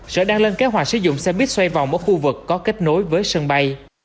sở đang lên kế hoạch sử dụng xe buýt xoay vòng ở khu vực có kết nối với sân bay